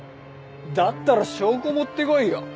だったら証拠持ってこいよ。